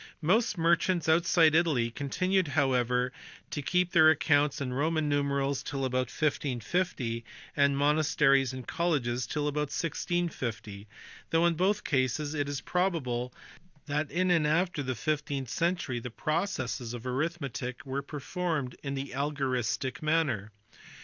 Most merchants, outside Italy, continued however to keep their accounts in Roman numerals till about 1550, and monasteries and colleges till about 1650; though in both cases it is probable that in and after the fifteenth century the processes of arithmetic were performed in the algoristic manner.